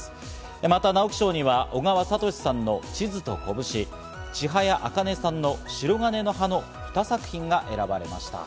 また直木賞には小川哲さんの『地図と拳』、千早茜さんの『しろがねの葉』の２作品が選ばれました。